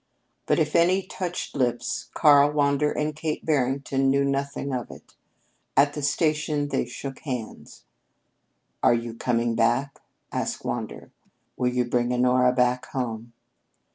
But if any touched lips, Karl Wander and Kate Barrington knew nothing of it. At the station they shook hands. "Are you coming back?" asked Wander. "Will you bring Honora back home?"